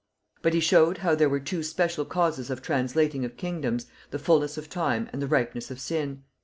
"But he... showed how there were two special causes of translating of kingdoms, the fullness of time and the ripeness of sin....